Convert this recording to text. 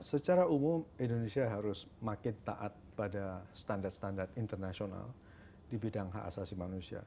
secara umum indonesia harus makin taat pada standar standar internasional di bidang hak asasi manusia